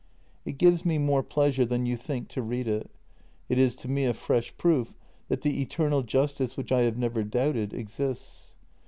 It gives me more pleasure than you think to read it. It is to me a fresh proof that the eternal justice, which I have never doubted, exists.